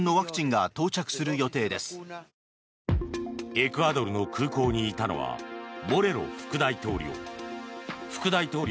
エクアドルの空港にいたのはボレロ副大統領。